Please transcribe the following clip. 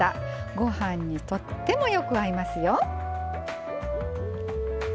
ご飯にとってもよく合いますよ。